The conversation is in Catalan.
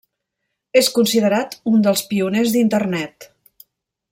És considerat un dels pioners d'internet.